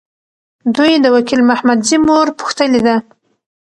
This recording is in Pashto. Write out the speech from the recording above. دوی د وکیل محمدزي مور پوښتلي ده.